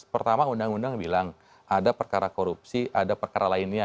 pertama undang undang bilang ada perkara korupsi ada perkara lainnya